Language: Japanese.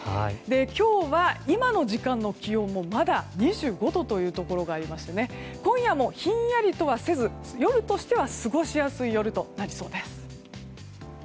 今日は今の時間の気温もまだ２５度というところがありまして今夜もひんやりとはせず夜としては過ごしやすい夜となりそうです。